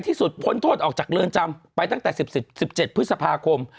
ที่สุดพ้นโทษออกจากเรือนจำไปตั้งแต่๑๗พฤษภาคม